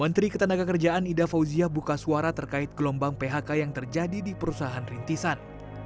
menteri ketenagakerjaan ida fauzia buka suara terkait gelombang phk yang terjadi di perusahaan rintisan